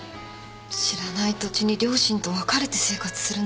知らない土地に両親と別れて生活するなんて。